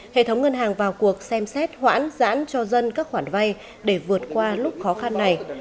hệ thống ngân hàng vào cuộc xem xét hoãn giãn cho dân các khoản vay để vượt qua lúc khó khăn này